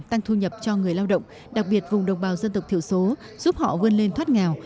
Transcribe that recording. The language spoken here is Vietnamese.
tăng thu nhập cho người lao động đặc biệt vùng đồng bào dân tộc thiểu số giúp họ vươn lên thoát nghèo